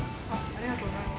ありがとうございます。